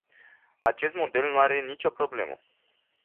Acest model nu are nicio problemă.